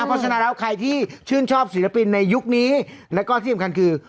เพราะฉะนั้นแล้วใครที่ชื่นชอบศิลปินในยุคนี้แล้วก็ที่สำคัญคือ